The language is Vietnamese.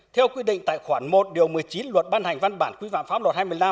theo quy định tại khoản một một mươi chín luật ban hành văn bản quy phạm pháp luật hai mươi năm